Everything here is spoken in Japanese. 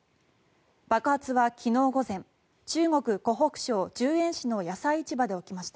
爆発は昨日午前中国・湖北省十堰市の野菜市場で起きました。